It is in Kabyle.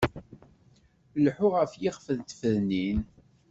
Lḥu ɣef yixef n tfednin-im.